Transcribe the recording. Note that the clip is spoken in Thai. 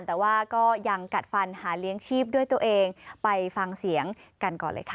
แต่ว่าก็ยังกัดฟันหาเลี้ยงชีพด้วยตัวเองไปฟังเสียงกันก่อนเลยค่ะ